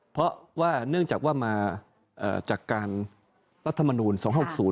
เพราะว่าเนื่องจากว่ามาจากการรัฐมนูล๒๖๐